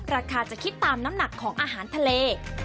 ราคาจะคิดตามน้ำหนักของอาหารทะเล